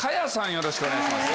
よろしくお願いします。